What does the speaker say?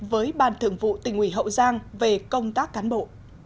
với ban thường vụ tỉnh ủy hậu giang về công tác cán bộ